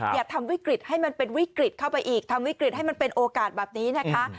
อย่าทำวิกฤตให้มันเป็นวิกฤตเข้าไปอีกทำวิกฤตให้มันเป็นโอกาสแบบนี้นะคะ